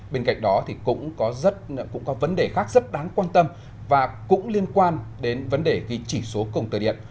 bên cạnh đó thì cũng có vấn đề khác rất đáng quan tâm và cũng liên quan đến vấn đề ghi chỉ số công tơ điện